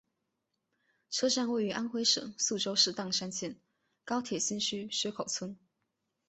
车站位于安徽省宿州市砀山县高铁新区薛口村。